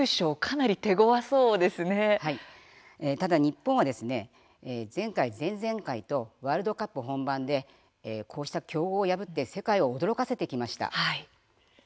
しかし日本は前回、前々回とワールドカップ本番でそうした強豪を破って世界を驚かせてきました。